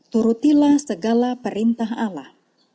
turutilah segala perintah allah